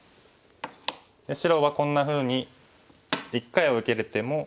白はこんなふうに一回は受けれても。